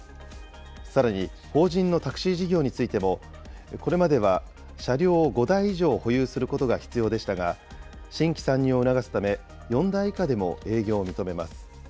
さらに、法人のタクシー事業についても、これまでは車両を５台以上保有することが必要でしたが、新規参入を促すため４台以下でも営業を認めます。